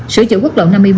sửa chữa quốc lộ năm mươi bốn